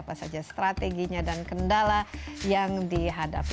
apa saja strateginya dan kendala yang dihadapi